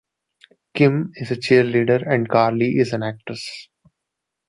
Kim is a cheerleader and Carly is an actress.